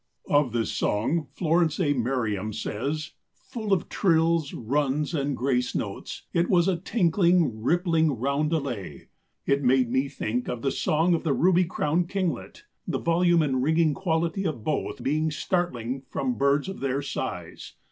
Of this song Florence A. Merriam says: "Full of trills, runs, and grace notes, it was a tinkling, rippling roundelay. It made me think of the song of the ruby crowned kinglet, the volume and ringing quality of both being startling from birds of their size.